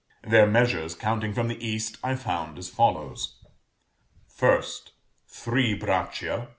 Their measures, counting from the east, I found as follows: Braccia.